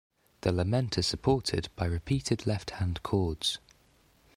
The lament is supported by repeated left hand chords.